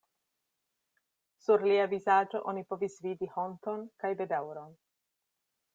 Sur lia vizaĝo oni povis vidi honton kaj bedaŭron.